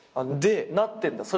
なってんだ。